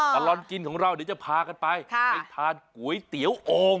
ตลอดกินของเราเดี๋ยวจะพากันไปไปทานก๋วยเตี๋ยวโอ่ง